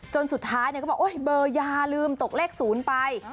สุดท้ายก็บอกเบอร์ยาลืมตกเลข๐ไป